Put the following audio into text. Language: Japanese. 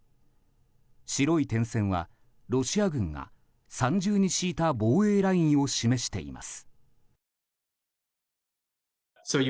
白い点線はロシア軍が三重に敷いた防衛ラインを示しています。